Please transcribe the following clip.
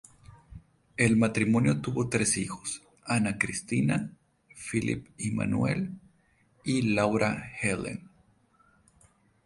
El matrimonio tuvo tres hijos: Anna Christina, Philip Immanuel y Laura Helene.